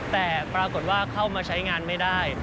แต่ปรากฏว่าเข้ามาใช้งานไม่ได้